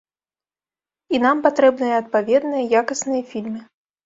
І нам патрэбныя адпаведныя, якасныя фільмы.